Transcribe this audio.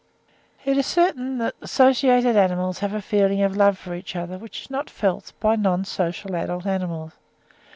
It is certain that associated animals have a feeling of love for each other, which is not felt by non social adult animals.